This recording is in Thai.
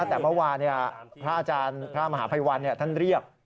แต่เมื่อวานพระอาจารย์พระมหาภัยวันท่านเรียก